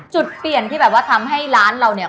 จุดเปลี่ยนที่แบบว่าทำให้ร้านเราเนี่ย